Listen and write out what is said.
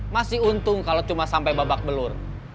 masih untung kalau cuma sampai babak belur